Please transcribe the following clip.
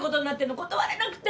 断れなくて。